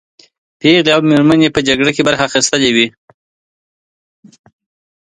پېغلې او مېرمنې په جګړه کې برخه اخیستلې وې.